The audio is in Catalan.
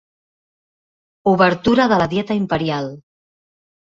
Obertura de la dieta imperial.